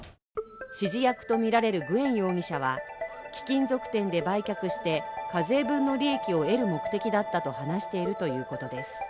指示役とみられるグエン容疑者は貴金属店で売却して課税分の利益を得る目的だったと話しているということです。